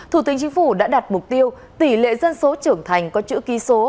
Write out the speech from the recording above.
thủ tinh chính phủ đã đặt mục tiêu tỷ lệ dân số trưởng thành có chữ kỳ số